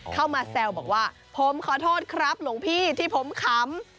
เข้ามาแซวบอกว่าผมขอโทษครับหลวงพี่ที่ผมขำ